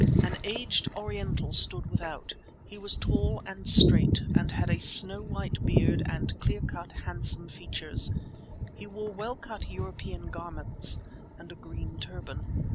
An aged Oriental stood without. He was tall and straight, had a snow white beard and clear cut, handsome features. He wore well cut European garments and a green turban.